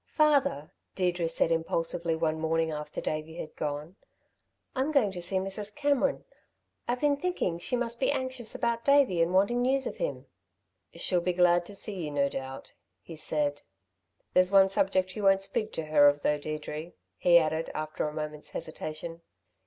"Father," Deirdre said impulsively, one morning soon after Davey had gone. "I'm going to see Mrs. Cameron. I've been thinking she must be anxious about Davey and wanting news of him." "She'll be glad to see you, no doubt," he said. "There's one subject you won't speak to her of, though, Deirdre," he added after a moment's hesitation.